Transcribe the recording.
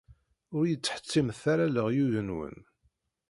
Ur yi-d-ttḥettimet ara leryuy-nwen.